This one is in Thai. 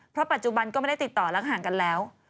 เพราะปัจจุบันก็ไม่ได้ติดต่อและห่างกันแล้ว